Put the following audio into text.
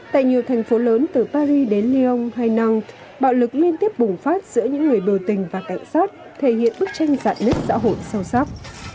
tại nhiều thành phố lớn từ paris đến lyon hainan bạo lực liên tiếp bùng phát giữa những người biểu tình và cảnh sát thể hiện bức tranh giả nứt xã hội sâu sắc